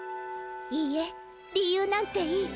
いいえ理由なんていい。